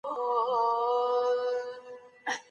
ژورنالیزم پوهنځۍ سمدلاسه نه تطبیقیږي.